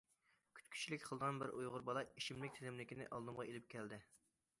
كۈتكۈچىلىك قىلىدىغان بىر ئۇيغۇر بالا ئىچىملىك تىزىملىكىنى ئالدىمغا ئېلىپ كەلدى.